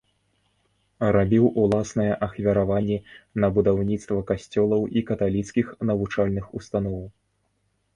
Рабіў уласныя ахвяраванні на будаўніцтва касцёлаў і каталіцкіх навучальных устаноў.